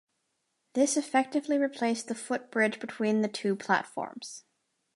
This effectively replaced the footbridge between the two platforms.